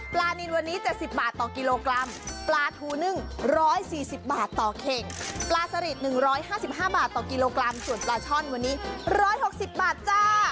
นินวันนี้๗๐บาทต่อกิโลกรัมปลาทูนึ่ง๑๔๐บาทต่อเข่งปลาสลิด๑๕๕บาทต่อกิโลกรัมส่วนปลาช่อนวันนี้๑๖๐บาทจ้า